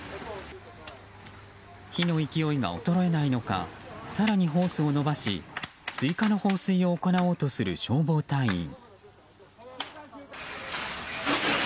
火の勢いが衰えないのか更にホースを伸ばし追加の放水を行おうとする消防隊員。